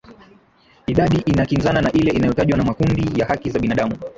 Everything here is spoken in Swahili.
idadi inakinzana na ile inayotajwa na makundi ya haki za binadamu